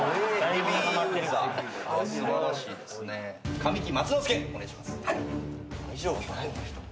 神木マツ之介お願いします。